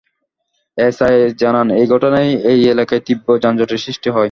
SI জানান, এই ঘটনায় ওই এলাকায় তীব্র যানজটের সৃষ্টি হয়।